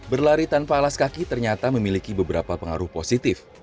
berlari tanpa alas kaki ternyata memiliki beberapa pengaruh positif